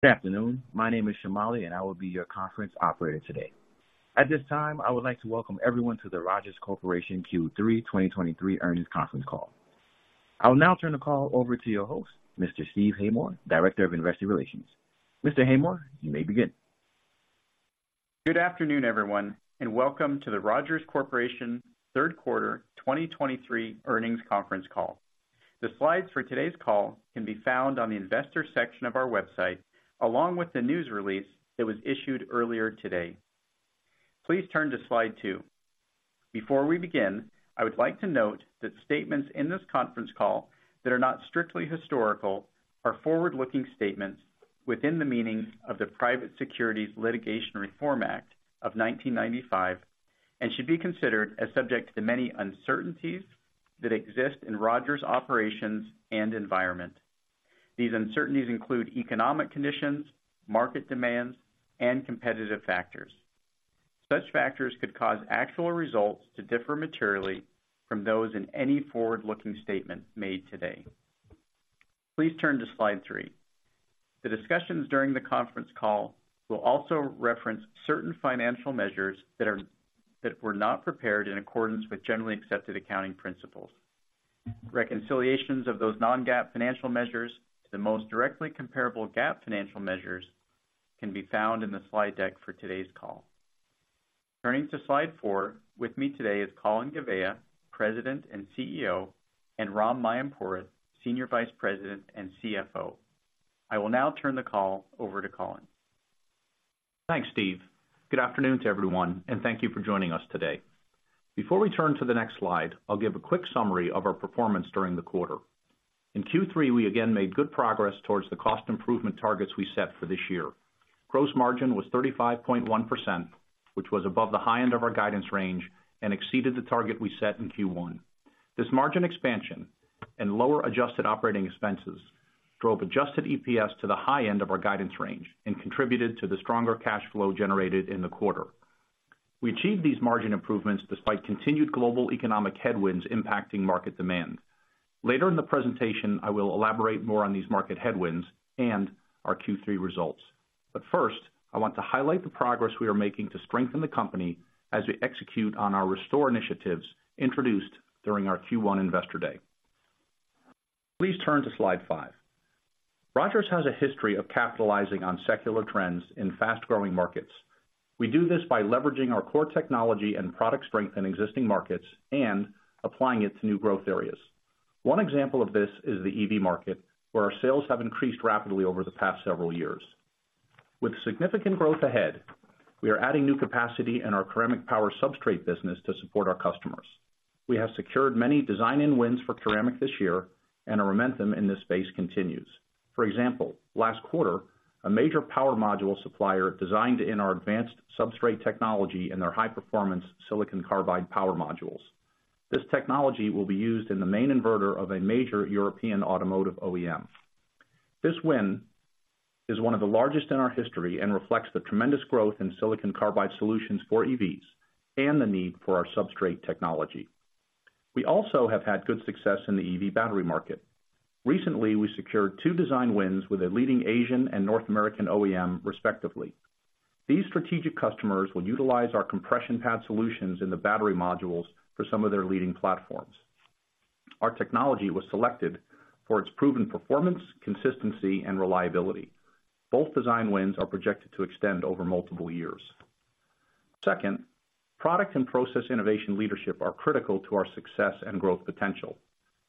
Good afternoon. My name is Shamali, and I will be your conference operator today. At this time, I would like to welcome everyone to the Rogers Corporation Q3 2023 Earnings Conference Call. I'll now turn the call over to your host, Mr. Steve Haymore, Director of Investor Relations. Mr. Haymore, you may begin. Good afternoon, everyone, and welcome to the Rogers Corporation Third Quarter 2023 Earnings Conference Call. The slides for today's call can be found on the investor section of our website, along with the news release that was issued earlier today. Please turn to slide two. Before we begin, I would like to note that statements in this conference call that are not strictly historical are forward-looking statements within the meaning of the Private Securities Litigation Reform Act of 1995, and should be considered as subject to the many uncertainties that exist in Rogers' operations and environment. These uncertainties include economic conditions, market demands, and competitive factors. Such factors could cause actual results to differ materially from those in any forward-looking statement made today. Please turn to slide three. The discussions during the conference call will also reference certain financial measures that were not prepared in accordance with generally accepted accounting principles. Reconciliations of those non-GAAP financial measures to the most directly comparable GAAP financial measures can be found in the slide deck for today's call. Turning to slide four, with me today is Colin Gouveia, President and CEO, and Ram Mayampurath, Senior Vice President and CFO. I will now turn the call over to Colin. Thanks, Steve. Good afternoon to everyone, and thank you for joining us today. Before we turn to the next slide, I'll give a quick summary of our performance during the quarter. In Q3, we again made good progress towards the cost improvement targets we set for this year. Gross margin was 35.1%, which was above the high end of our guidance range and exceeded the target we set in Q1. This margin expansion and lower Adjusted operating expenses drove Adjusted EPS to the high end of our guidance range and contributed to the stronger cash flow generated in the quarter. We achieved these margin improvements despite continued global economic headwinds impacting market demand. Later in the presentation, I will elaborate more on these market headwinds and our Q3 results. But first, I want to highlight the progress we are making to strengthen the company as we execute on our restore initiatives introduced during our Q1 Investor Day. Please turn to slide five. Rogers has a history of capitalizing on secular trends in fast-growing markets. We do this by leveraging our core technology and product strength in existing markets and applying it to new growth areas. One example of this is the EV market, where our sales have increased rapidly over the past several years. With significant growth ahead, we are adding new capacity in our ceramic power substrate business to support our customers. We have secured many design-in wins for ceramic this year, and our momentum in this space continues. For example, last quarter, a major power module supplier designed in our Advanced Substrate Technology in their high-performance silicon carbide power modules. This technology will be used in the main inverter of a major European automotive OEM. This win is one of the largest in our history and reflects the tremendous growth in silicon carbide solutions for EVs and the need for our substrate technology. We also have had good success in the EV battery market. Recently, we secured two design wins with a leading Asian and North American OEM, respectively. These strategic customers will utilize our Compression Pad Solutions in the battery modules for some of their leading platforms. Our technology was selected for its proven performance, consistency, and reliability. Both design wins are projected to extend over multiple years. Second, product and process innovation leadership are critical to our success and growth potential.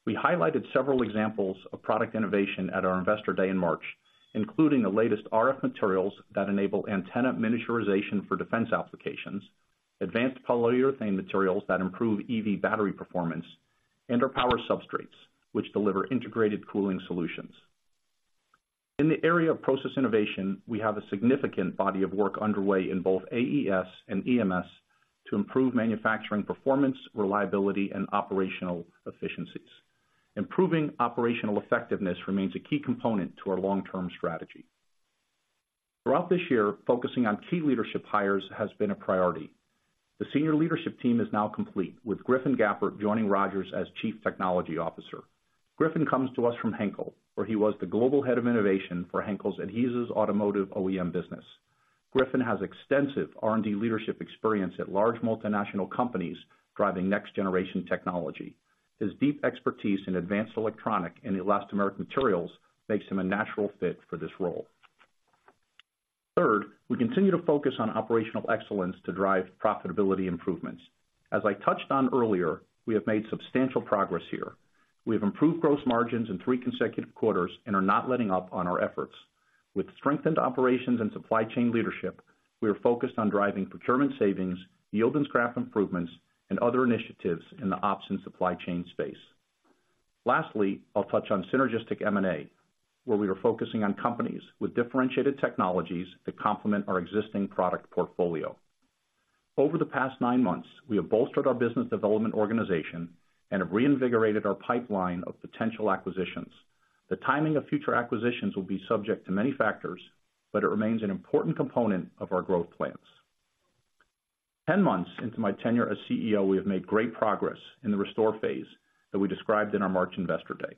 We highlighted several examples of product innovation at our Investor Day in March, including the latest RF materials that enable antenna miniaturization for defense applications, advanced polyurethane materials that improve EV battery performance, and our power substrates, which deliver integrated cooling solutions. In the area of process innovation, we have a significant body of work underway in both AES and EMS to improve manufacturing, performance, reliability, and operational efficiencies. Improving operational effectiveness remains a key component to our long-term strategy. Throughout this year, focusing on key leadership hires has been a priority. The senior leadership team is now complete, with Griffin Gappert joining Rogers as Chief Technology Officer. Griffin comes to us from Henkel, where he was the Global Head of Innovation for Henkel's Adhesives Automotive OEM business. Griffin has extensive R&D leadership experience at large multinational companies driving next-generation technology. His deep expertise in advanced electronic and elastomeric materials makes him a natural fit for this role. Third, we continue to focus on operational excellence to drive profitability improvements. As I touched on earlier, we have made substantial progress here. We have improved gross margins in three consecutive quarters and are not letting up on our efforts. With strengthened operations and supply chain leadership, we are focused on driving procurement savings, yield and scrap improvements, and other initiatives in the ops and supply chain space. Lastly, I'll touch on synergistic M&A, where we are focusing on companies with differentiated technologies that complement our existing product portfolio. Over the past nine months, we have bolstered our business development organization and have reinvigorated our pipeline of potential acquisitions. The timing of future acquisitions will be subject to many factors, but it remains an important component of our growth plans. 10 months into my tenure as CEO, we have made great progress in the restore phase that we described in our March Investor Day.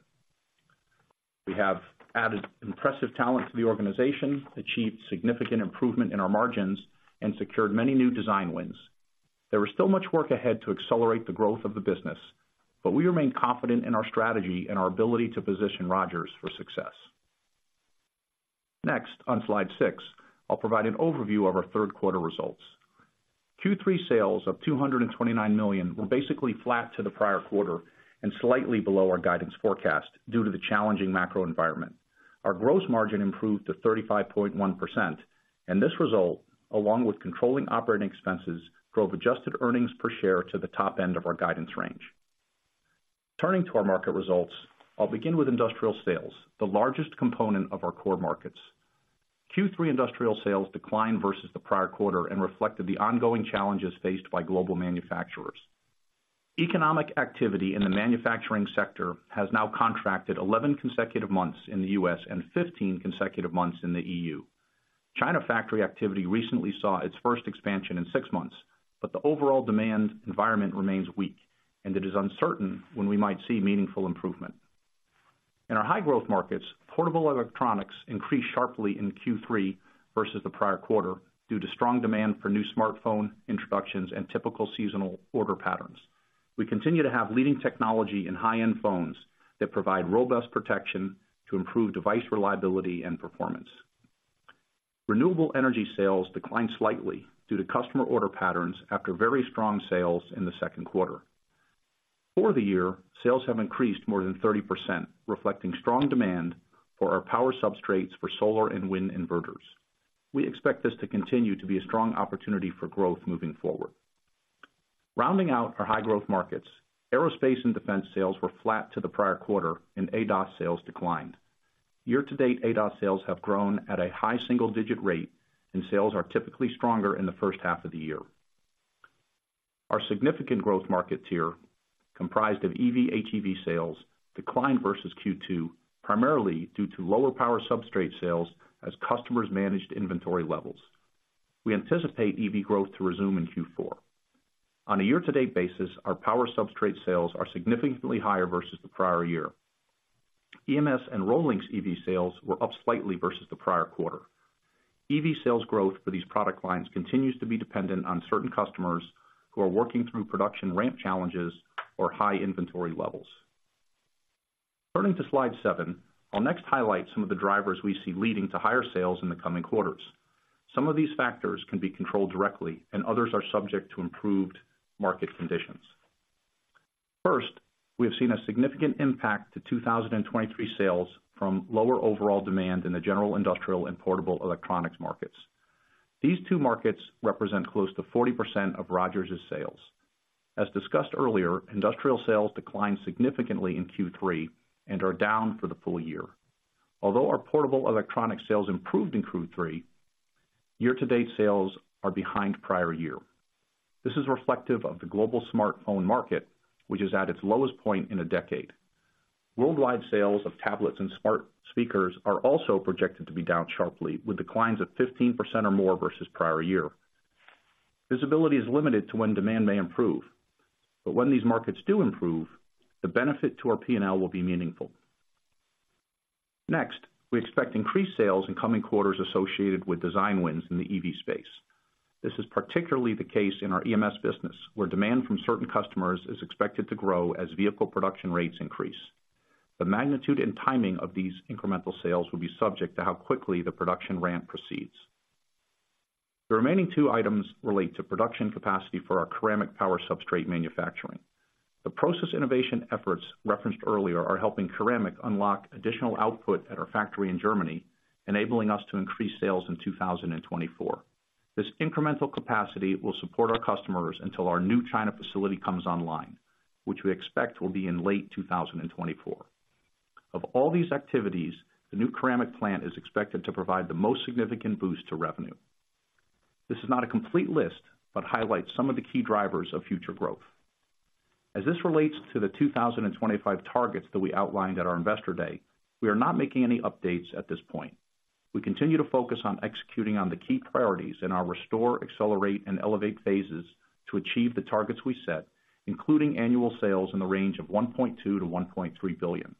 We have added impressive talent to the organization, achieved significant improvement in our margins, and secured many new design wins. There is still much work ahead to accelerate the growth of the business, but we remain confident in our strategy and our ability to position Rogers for success. Next, on slide six, I'll provide an overview of our third quarter results. Q3 sales of $229 million were basically flat to the prior quarter and slightly below our guidance forecast due to the challenging macro environment. Our gross margin improved to 35.1%, and this result, along with controlling operating expenses, drove Adjusted earnings per share to the top end of our guidance range. Turning to our market results, I'll begin with industrial sales, the largest component of our core markets. Q3 industrial sales declined versus the prior quarter and reflected the ongoing challenges faced by global manufacturers. Economic activity in the manufacturing sector has now contracted 11 consecutive months in the U.S. and 15 consecutive months in the E.U. China factory activity recently saw its first expansion in six months, but the overall demand environment remains weak, and it is uncertain when we might see meaningful improvement. In our high-growth markets, portable electronics increased sharply in Q3 versus the prior quarter due to strong demand for new smartphone introductions and typical seasonal order patterns. We continue to have leading technology in high-end phones that provide robust protection to improve device reliability and performance. Renewable energy sales declined slightly due to customer order patterns after very strong sales in the second quarter. For the year, sales have increased more than 30%, reflecting strong demand for our power substrates for solar and wind inverters. We expect this to continue to be a strong opportunity for growth moving forward. Rounding out our high-growth markets, aerospace and defense sales were flat to the prior quarter, and ADAS sales declined. Year-to-date, ADAS sales have grown at a high single-digit rate, and sales are typically stronger in the first half of the year. Our significant growth markets here, comprised of EV/HEV sales, declined versus Q2, primarily due to lower power substrate sales as customers managed inventory levels. We anticipate EV growth to resume in Q4. On a year-to-date basis, our power substrate sales are significantly higher versus the prior year. EMS and ROLINX EV sales were up slightly versus the prior quarter. EV sales growth for these product lines continues to be dependent on certain customers who are working through production ramp challenges or high inventory levels. Turning to slide seven, I'll next highlight some of the drivers we see leading to higher sales in the coming quarters. Some of these factors can be controlled directly, and others are subject to improved market conditions. First, we have seen a significant impact to 2023 sales from lower overall demand in the general industrial and portable electronics markets. These two markets represent close to 40% of Rogers' sales. As discussed earlier, industrial sales declined significantly in Q3 and are down for the full year. Although our portable electronic sales improved in Q3, year-to-date sales are behind prior year. This is reflective of the global smartphone market, which is at its lowest point in a decade. Worldwide sales of tablets and smart speakers are also projected to be down sharply, with declines of 15% or more versus prior year. Visibility is limited to when demand may improve, but when these markets do improve, the benefit to our P&L will be meaningful. Next, we expect increased sales in coming quarters associated with design wins in the EV space. This is particularly the case in our EMS business, where demand from certain customers is expected to grow as vehicle production rates increase. The magnitude and timing of these incremental sales will be subject to how quickly the production ramp proceeds. The remaining two items relate to production capacity for our ceramic power substrate manufacturing. The process innovation efforts referenced earlier are helping ceramic unlock additional output at our factory in Germany, enabling us to increase sales in 2024. This incremental capacity will support our customers until our new China facility comes online, which we expect will be in late 2024. Of all these activities, the new ceramic plant is expected to provide the most significant boost to revenue. This is not a complete list, but highlights some of the key drivers of future growth. As this relates to the 2025 targets that we outlined at our Investor Day, we are not making any updates at this point. We continue to focus on executing on the key priorities in our restore, accelerate, and elevate phases to achieve the targets we set, including annual sales in the range of $1.2 billion-$1.3 billion.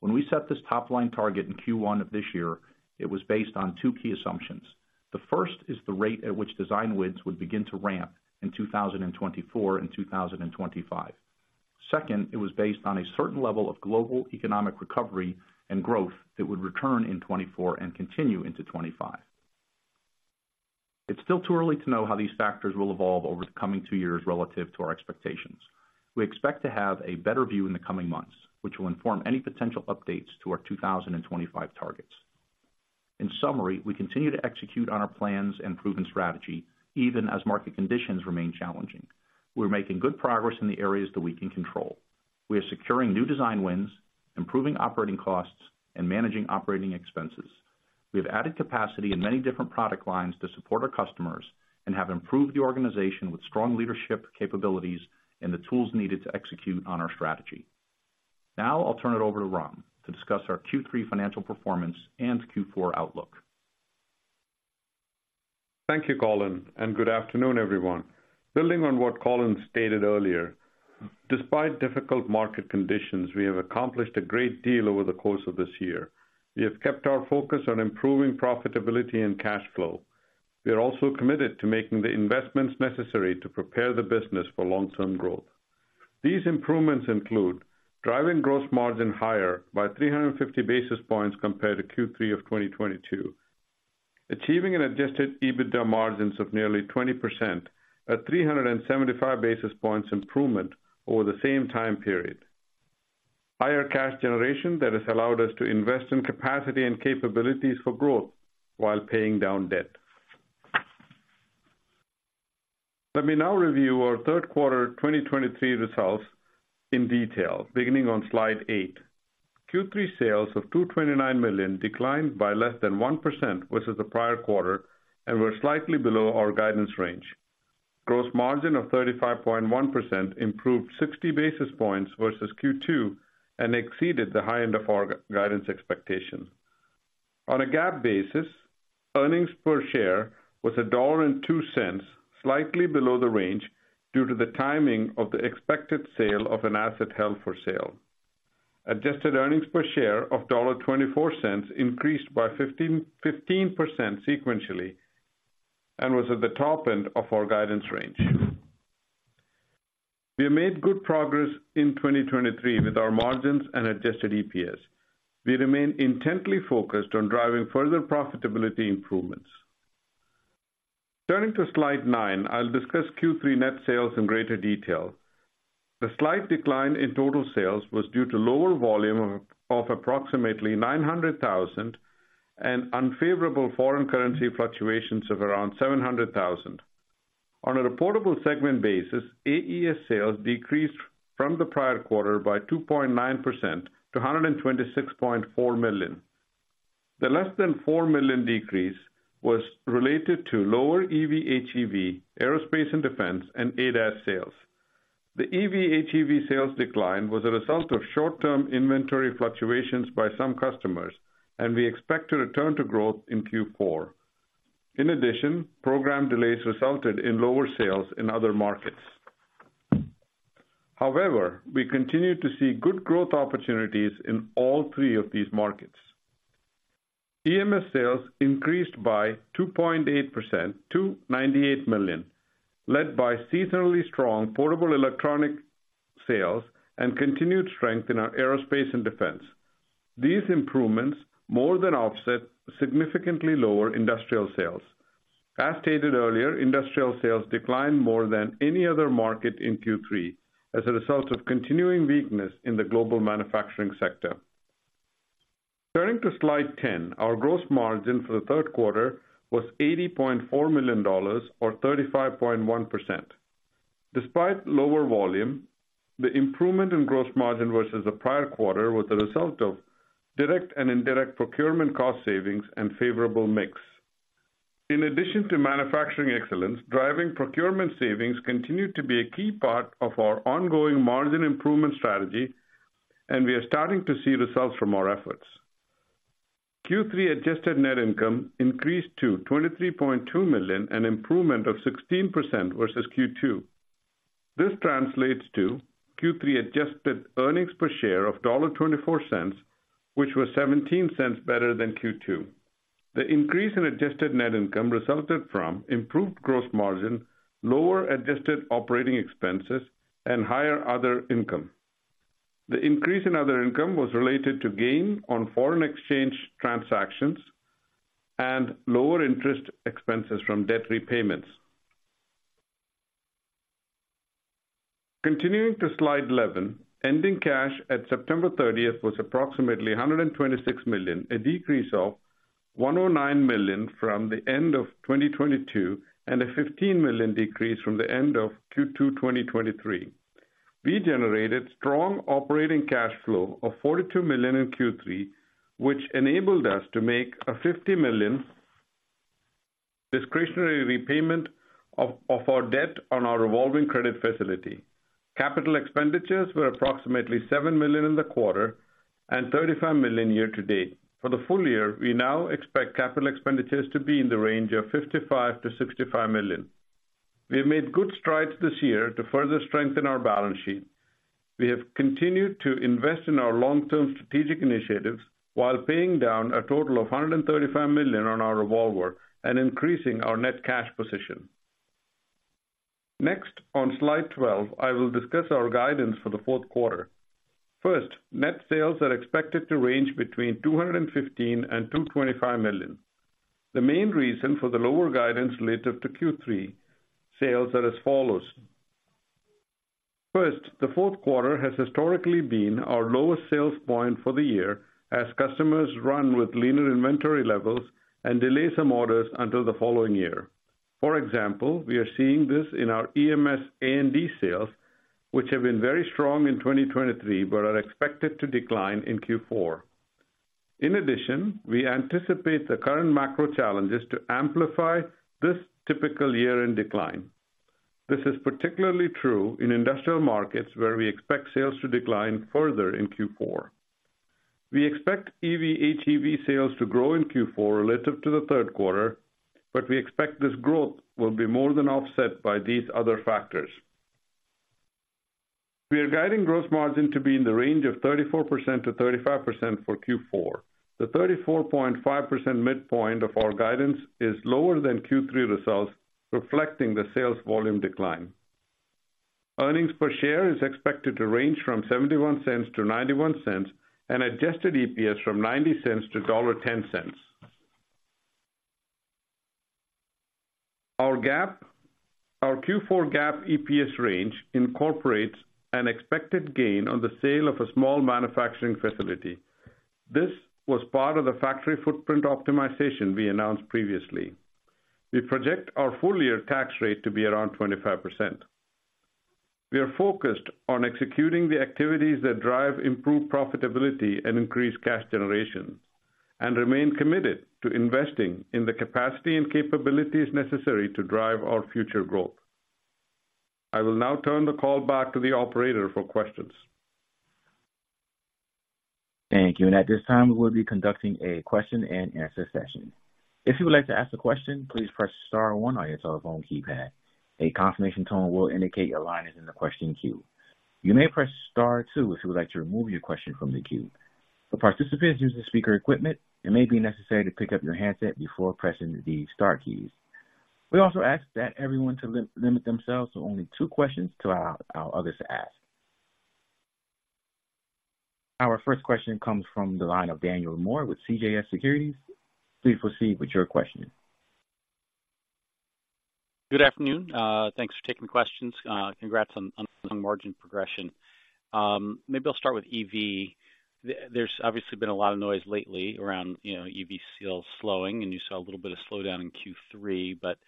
When we set this top-line target in Q1 of this year, it was based on two key assumptions. The first is the rate at which design wins would begin to ramp in 2024 and 2025. Second, it was based on a certain level of global economic recovery and growth that would return in 2024 and continue into 2025. It's still too early to know how these factors will evolve over the coming two years relative to our expectations. We expect to have a better view in the coming months, which will inform any potential updates to our 2025 targets. In summary, we continue to execute on our plans and proven strategy, even as market conditions remain challenging. We're making good progress in the areas that we can control. We are securing new design wins, improving operating costs, and managing operating expenses. We have added capacity in many different product lines to support our customers and have improved the organization with strong leadership capabilities and the tools needed to execute on our strategy. Now I'll turn it over to Ram to discuss our Q3 financial performance and Q4 outlook. Thank you, Colin, and good afternoon, everyone. Building on what Colin stated earlier, despite difficult market conditions, we have accomplished a great deal over the course of this year. We have kept our focus on improving profitability and cash flow. We are also committed to making the investments necessary to prepare the business for long-term growth. These improvements include driving gross margin higher by 350 basis points compared to Q3 of 2022. Achieving an Adjusted EBITDA margins of nearly 20%, a 375 basis points improvement over the same time period. Higher cash generation that has allowed us to invest in capacity and capabilities for growth while paying down debt. Let me now review our third quarter 2023 results in detail, beginning on slide eight. Q3 sales of $229 million declined by less than 1% versus the prior quarter and were slightly below our guidance range. Gross margin of 35.1% improved 60 basis points versus Q2 and exceeded the high end of our guidance expectation. On a GAAP basis, earnings per share was $1.02, slightly below the range, due to the timing of the expected sale of an asset held for sale. Adjusted earnings per share of $1.24 increased by 15% sequentially and was at the top end of our guidance range. We have made good progress in 2023 with our margins and Adjusted EPS. We remain intently focused on driving further profitability improvements. Turning to slide nine, I'll discuss Q3 net sales in greater detail. The slight decline in total sales was due to lower volume of approximately $900,000 and unfavorable foreign currency fluctuations of around $700,000. On a reportable segment basis, AES sales decreased from the prior quarter by 2.9% to $126.4 million. The less than $4 million decrease was related to lower EV/HEV, aerospace and defense, and ADAS sales. The EV/HEV sales decline was a result of short-term inventory fluctuations by some customers, and we expect to return to growth in Q4. In addition, program delays resulted in lower sales in other markets. However, we continue to see good growth opportunities in all three of these markets. EMS sales increased by 2.8% to $98 million, led by seasonally strong portable electronic sales and continued strength in our aerospace and defense. These improvements more than offset significantly lower industrial sales. As stated earlier, industrial sales declined more than any other market in Q3 as a result of continuing weakness in the global manufacturing sector. Turning to slide 10, our gross margin for the third quarter was $80.4 million, or 35.1%. Despite lower volume, the improvement in gross margin versus the prior quarter was a result of direct and indirect procurement cost savings and favorable mix. In addition to manufacturing excellence, driving procurement savings continued to be a key part of our ongoing margin improvement strategy, and we are starting to see results from our efforts. Q3 Adjusted net income increased to $23.2 million, an improvement of 16% versus Q2. This translates to Q3 Adjusted earnings per share of $1.24, which was $0.17 better than Q2. The increase in Adjusted net income resulted from improved gross margin, lower Adjusted operating expenses, and higher other income. The increase in other income was related to gain on foreign exchange transactions and lower interest expenses from debt repayments. Continuing to slide 11, ending cash at September 30th was approximately $126 million, a decrease of $109 million from the end of 2022, and a $15 million decrease from the end of Q2 2023. We generated strong operating cash flow of $42 million in Q3, which enabled us to make a $50 million discretionary repayment of our debt on our revolving credit facility. Capital expenditures were approximately $7 million in the quarter and $35 million year to date. For the full year, we now expect capital expenditures to be in the range of $55 million-$65 million. We have made good strides this year to further strengthen our balance sheet. We have continued to invest in our long-term strategic initiatives while paying down a total of $135 million on our revolver and increasing our net cash position. Next, on slide 12, I will discuss our guidance for the fourth quarter. First, net sales are expected to range between $215 million and $225 million. The main reason for the lower guidance relative to Q3 sales are as follows: First, the fourth quarter has historically been our lowest sales point for the year as customers run with leaner inventory levels and delay some orders until the following year. For example, we are seeing this in our EMS A&D sales, which have been very strong in 2023, but are expected to decline in Q4. In addition, we anticipate the current macro challenges to amplify this typical year-end decline. This is particularly true in industrial markets, where we expect sales to decline further in Q4. We expect EV/HEV sales to grow in Q4 relative to the third quarter, but we expect this growth will be more than offset by these other factors. We are guiding gross margin to be in the range of 34%-35% for Q4. The 34.5% midpoint of our guidance is lower than Q3 results, reflecting the sales volume decline. Earnings per share is expected to range from $0.71-$0.91, and Adjusted EPS from $0.90-$1.10. Our Q4 GAAP EPS range incorporates an expected gain on the sale of a small manufacturing facility. This was part of the factory footprint optimization we announced previously. We project our full year tax rate to be around 25%. We are focused on executing the activities that drive improved profitability and increase cash generation, and remain committed to investing in the capacity and capabilities necessary to drive our future growth. I will now turn the call back to the operator for questions. Thank you. At this time, we'll be conducting a question and answer session. If you would like to ask a question, please press star one on your telephone keypad. A confirmation tone will indicate your line is in the question queue. You may press star two if you would like to remove your question from the queue. For participants using speaker equipment, it may be necessary to pick up your handset before pressing the star keys. We also ask that everyone limit themselves to only two questions to allow others to ask. Our first question comes from the line of Daniel Moore with CJS Securities. Please proceed with your question. Good afternoon. Thanks for taking the questions. Congrats on margin progression. Maybe I'll start with EV. There's obviously been a lot of noise lately around, you know, EV sales slowing, and you saw a little bit of slowdown in Q3, but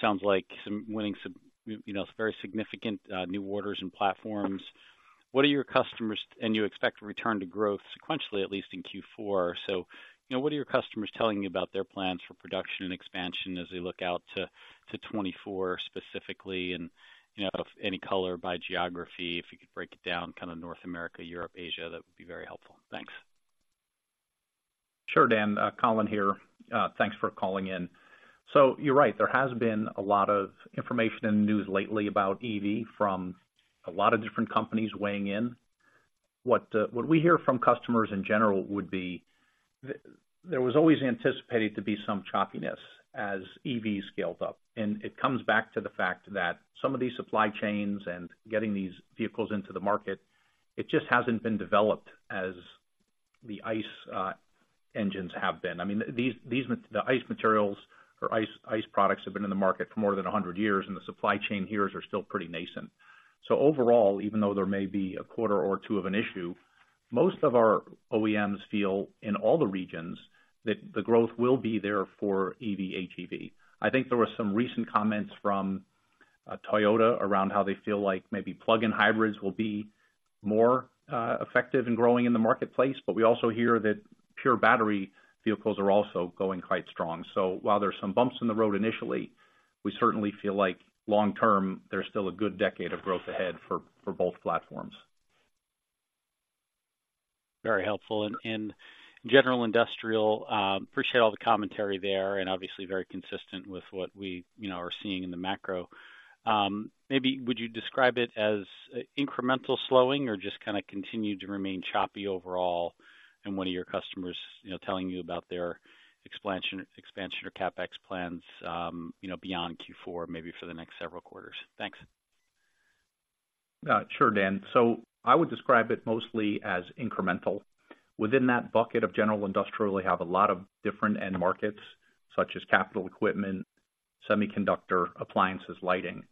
sounds like some winning some, you know, very significant new orders and platforms. What are your customers and you expect to return to growth sequentially, at least in Q4. So, you know, what are your customers telling you about their plans for production and expansion as they look out to 2024 specifically, and, you know, if any color by geography, if you could break it down, kind of North America, Europe, Asia, that would be very helpful. Thanks. Sure, Dan. Colin here. Thanks for calling in. So you're right, there has been a lot of information in the news lately about EV from a lot of different companies weighing in. What, what we hear from customers in general would be, there was always anticipated to be some choppiness as EV scaled up, and it comes back to the fact that some of these supply chains and getting these vehicles into the market, it just hasn't been developed as the ICE engines have been. I mean, these, the ICE materials or ICE products have been in the market for more than 100 years, and the supply chain years are still pretty nascent. So overall, even though there may be a quarter or two of an issue, most of our OEMs feel, in all the regions, that the growth will be there for EV/HEV. I think there were some recent comments from Toyota around how they feel like maybe plug-in hybrids will be more effective in growing in the marketplace, but we also hear that pure battery vehicles are also going quite strong. So while there are some bumps in the road initially, we certainly feel like long term, there's still a good decade of growth ahead for, for both platforms. Very helpful. And general industrial, appreciate all the commentary there, and obviously very consistent with what we, you know, are seeing in the macro. Maybe would you describe it as incremental slowing or just kind of continue to remain choppy overall? And what are your customers, you know, telling you about their expansion or CapEx plans, you know, beyond Q4, maybe for the next several quarters? Thanks. Sure, Dan. So I would describe it mostly as incremental. Within that bucket of general industrial, they have a lot of different end markets, such as capital equipment, semiconductor, appliances, lighting,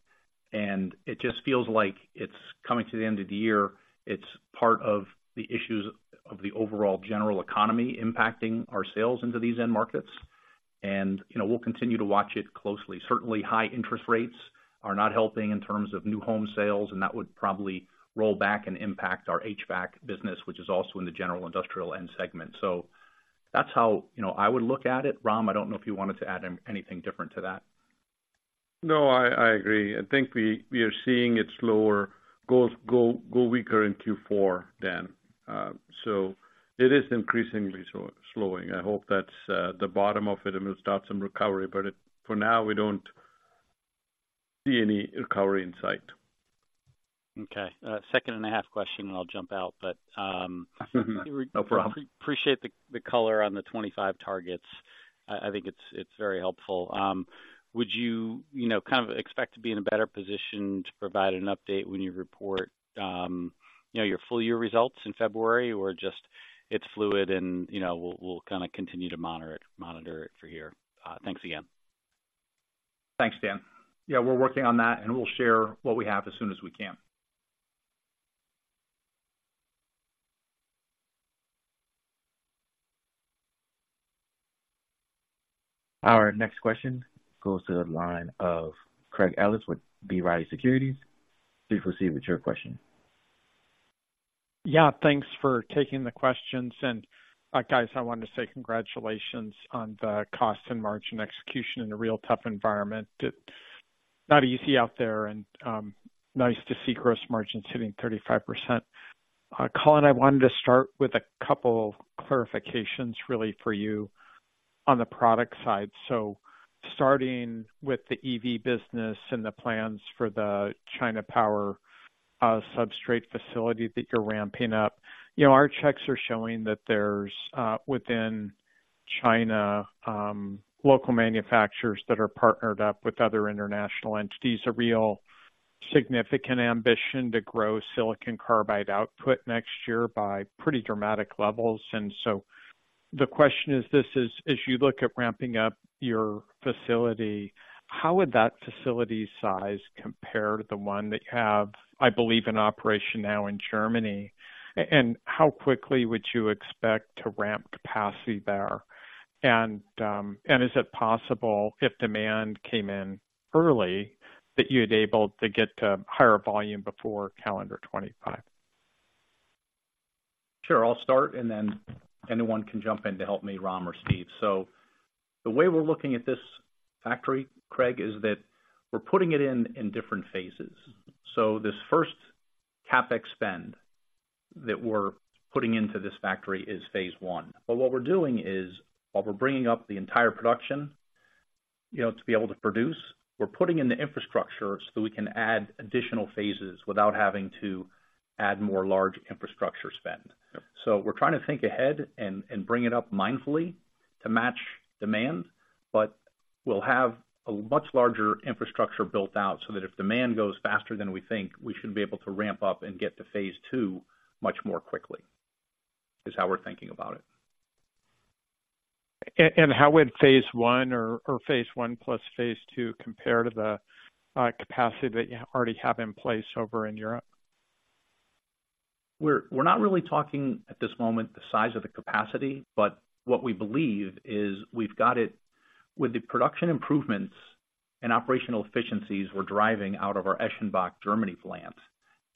and it just feels like it's coming to the end of the year. It's part of the issues of the overall general economy impacting our sales into these end markets. And, you know, we'll continue to watch it closely. Certainly, high interest rates are not helping in terms of new home sales, and that would probably roll back and impact our HVAC business, which is also in the general industrial end segment. So that's how, you know, I would look at it. Ram, I don't know if you wanted to add anything different to that. No, I agree. I think we are seeing it slowing, going weaker in Q4, Dan. So it is increasingly slowing. I hope that's the bottom of it, and we'll start some recovery, but it, for now, we don't see any recovery in sight. Okay, second and a half question, and I'll jump out. No problem. Appreciate the color on the 2025 targets. I think it's very helpful. Would you, you know, kind of expect to be in a better position to provide an update when you report, you know, your full year results in February, or just it's fluid and, you know, we'll kind of continue to monitor it from here? Thanks again. Thanks, Dan. Yeah, we're working on that, and we'll share what we have as soon as we can. Our next question goes to the line of Craig Ellis with B. Riley Securities. Please proceed with your question. Yeah, thanks for taking the questions. Guys, I wanted to say congratulations on the cost and margin execution in a real tough environment. It's not easy out there and nice to see gross margins hitting 35%. Colin, I wanted to start with a couple clarifications really for you on the product side. Starting with the EV business and the plans for the China power substrate facility that you're ramping up. You know, our checks are showing that there's, within China, local manufacturers that are partnered up with other international entities, a real significant ambition to grow silicon carbide output next year by pretty dramatic levels. The question is this, as you look at ramping up your facility, how would that facility size compare to the one that you have, I believe, in operation now in Germany? And how quickly would you expect to ramp capacity there? And, is it possible, if demand came in early, that you'd able to get to higher volume before calendar 2025? Sure. I'll start, and then anyone can jump in to help me, Ram or Steve. So the way we're looking at this factory, Craig, is that we're putting it in in different phases. So this first CapEx spend that we're putting into this factory is Phase I. But what we're doing is, while we're bringing up the entire production, you know, to be able to produce, we're putting in the infrastructure so we can add additional phases without having to add more large infrastructure spend. So we're trying to think ahead and, and bring it up mindfully to match demand, but we'll have a much larger infrastructure built out so that if demand goes faster than we think, we should be able to ramp up and get to Phase II much more quickly, is how we're thinking about it. How would Phase I or Phase I plus Phase II compare to the capacity that you already have in place over in Europe? We're not really talking at this moment the size of the capacity, but what we believe is we've got it. With the production improvements and operational efficiencies we're driving out of our Eschenbach, Germany plant,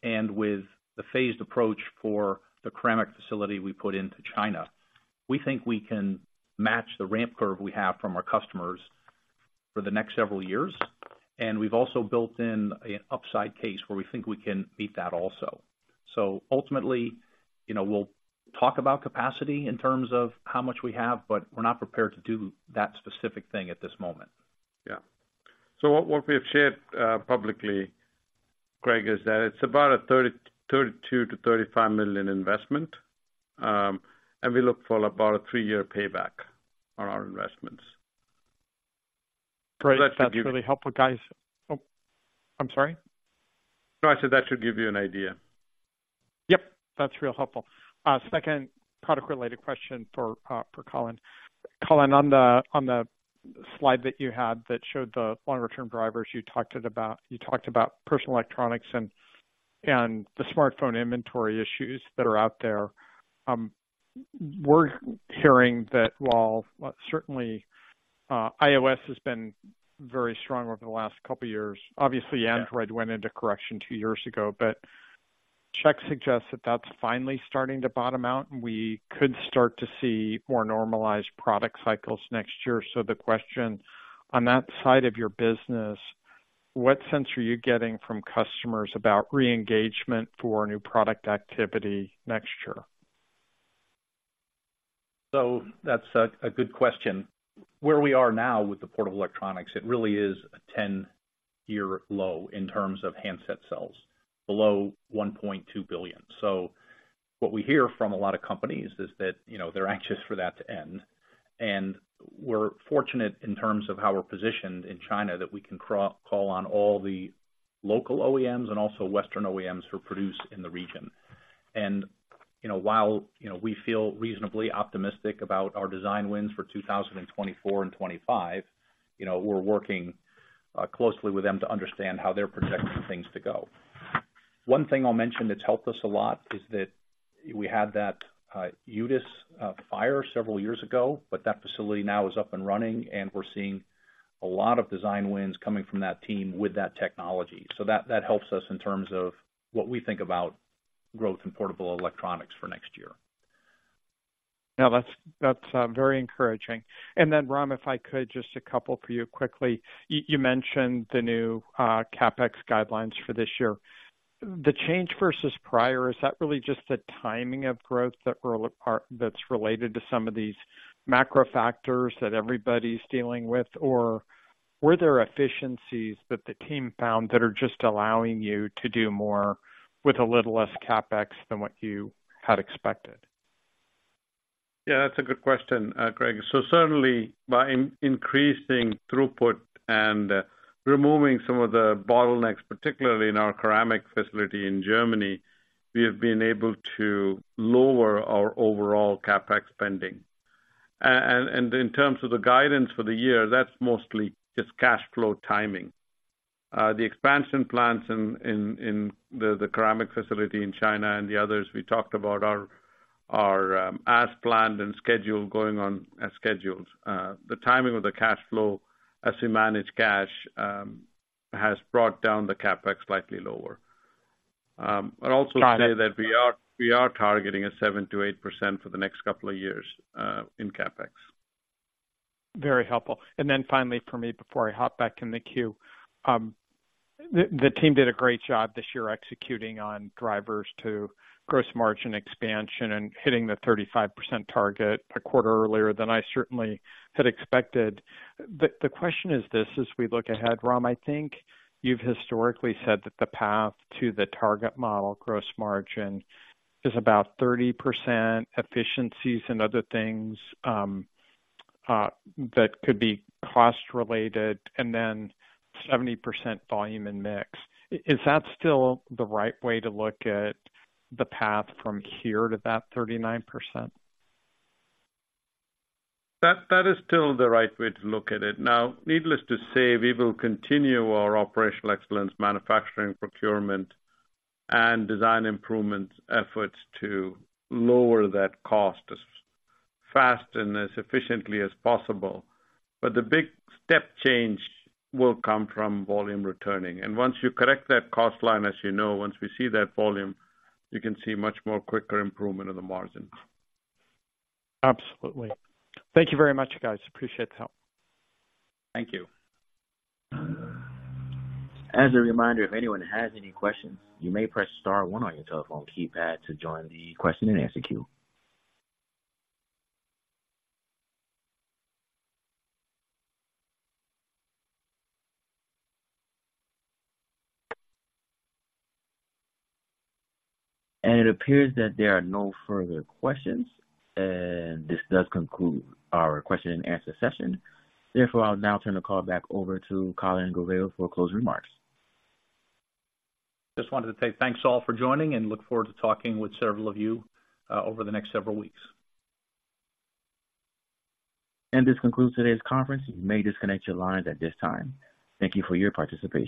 and with the phased approach for the ceramic facility we put into China, we think we can match the ramp curve we have from our customers for the next several years. And we've also built in an upside case where we think we can meet that also. So ultimately, you know, we'll talk about capacity in terms of how much we have, but we're not prepared to do that specific thing at this moment. Yeah. So what we have shared publicly, Craig, is that it's about a $32 million-$35 million investment, and we look for about a three-year payback on our investments. Great. That's really helpful, guys. Oh, I'm sorry? No, I said that should give you an idea. Yep, that's real helpful. Second product-related question for Colin. Colin, on the slide that you had that showed the longer-term drivers, you talked about personal electronics and the smartphone inventory issues that are out there. We're hearing that while certainly iOS has been very strong over the last couple of years, obviously Android went into correction two years ago, but checks suggest that that's finally starting to bottom out, and we could start to see more normalized product cycles next year. So the question, on that side of your business, what sense are you getting from customers about re-engagement for new product activity next year? So that's a good question. Where we are now with the portable electronics, it really is a ten-year low in terms of handset sales, below 1.2 billion. So what we hear from a lot of companies is that, you know, they're anxious for that to end. And we're fortunate in terms of how we're positioned in China, that we can call on all the local OEMs and also Western OEMs who produce in the region. And, you know, while, you know, we feel reasonably optimistic about our design wins for 2024 and 2025, you know, we're working closely with them to understand how they're projecting things to go. One thing I'll mention that's helped us a lot is that we had that UTIS fire several years ago, but that facility now is up and running, and we're seeing a lot of design wins coming from that team with that technology. So that, that helps us in terms of what we think about growth in portable electronics for next year. Now, that's, that's very encouraging. And then, Ram, if I could, just a couple for you quickly. You mentioned the new CapEx guidelines for this year. The change versus prior, is that really just the timing of growth that we're, that's related to some of these macro factors that everybody's dealing with? Or were there efficiencies that the team found that are just allowing you to do more with a little less CapEx than what you had expected? Yeah, that's a good question, Craig. So certainly by increasing throughput and removing some of the bottlenecks, particularly in our ceramic facility in Germany, we have been able to lower our overall CapEx spending. And in terms of the guidance for the year, that's mostly just cash flow timing. The expansion plans in the ceramic facility in China and the others we talked about are as planned and scheduled, going on as scheduled. The timing of the cash flow as we manage cash has brought down the CapEx slightly lower. I'd also say that we are targeting 7%-8% for the next couple of years in CapEx. Very helpful. Then finally, for me, before I hop back in the queue. The team did a great job this year executing on drivers to gross margin expansion and hitting the 35% target a quarter earlier than I certainly had expected. The question is this: as we look ahead, Ram, I think you've historically said that the path to the target model gross margin is about 30% efficiencies and other things that could be cost related, and then 70% volume and mix. Is that still the right way to look at the path from here to that 39%? That is still the right way to look at it. Now, needless to say, we will continue our operational excellence, manufacturing, procurement, and design improvement efforts to lower that cost as fast and as efficiently as possible. But the big step change will come from volume returning. And once you correct that cost line, as you know, once we see that volume, you can see much more quicker improvement in the margin. Absolutely. Thank you very much, guys. Appreciate the help. Thank you. As a reminder, if anyone has any questions, you may press star one on your telephone keypad to join the question and answer queue. It appears that there are no further questions, and this does conclude our question and answer session. Therefore, I'll now turn the call back over to Colin Gouveia for closing remarks. Just wanted to say thanks, all, for joining, and look forward to talking with several of you over the next several weeks. This concludes today's conference. You may disconnect your lines at this time. Thank you for your participation.